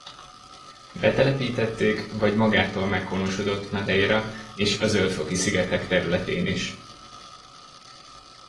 Betelepítették vagy magától meghonosodott Madeira és a Zöld-foki-szigetek területén is.